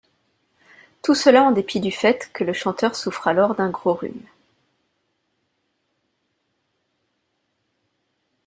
Tout cela en dépit du fait que le chanteur souffre alors d'un gros rhume.